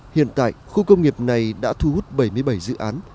hiện tại khu công nghiệp này đã thu hút bảy mươi bảy dự án